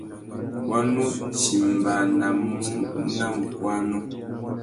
Wá nú timbānamú nà mukuânô.